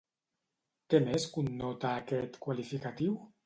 Què més connota aquest qualificatiu?